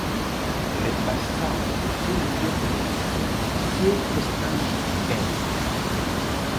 Repasámolos un millón de veces, sei que están ben!